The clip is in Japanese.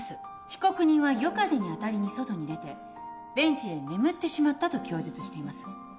被告人は夜風に当たりに外に出てベンチで眠ってしまったと供述しています。